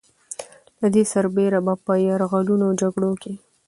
پر دې سربېره به په يرغلونو او جګړو کې